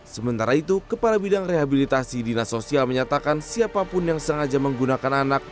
sementara itu kepala bidang rehabilitasi dinas sosial menyatakan siapapun yang sengaja menggunakan anak